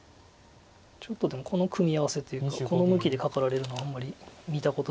ちょっとでもこの組み合わせというかこの向きでカカられるのはあんまり見たことないので。